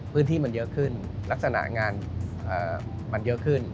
พื้นที่มันเยอะขึ้นลักษณะงานมันเยอะขึ้น